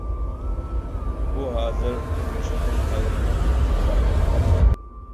ئۇ ھازىر تۇرمۇشۇمنىڭ ئايرىلماس بىر قىسمىغا ئايلىنىپ قالدى.